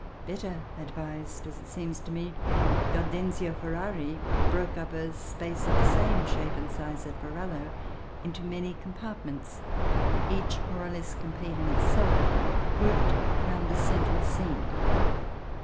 Better advised, as it seems to me, Gaudenzio Ferrari broke up a space of the same shape and size at Varallo into many compartments, each more or less complete in itself, grouped round a central scene.